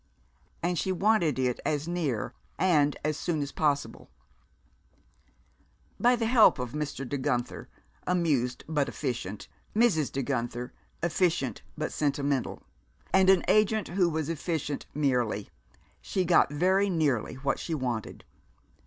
And she wanted it as near and as soon as possible. By the help of Mr. De Guenther, amused but efficient, Mrs. De Guenther, efficient but sentimental; and an agent who was efficient merely, she got very nearly what she wanted.